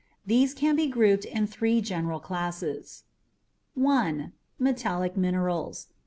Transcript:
These can be grouped in three general classes. 1. METALLIC MINERALS.